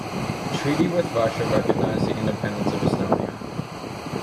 The treaty with Russia recognized the independence of Estonia.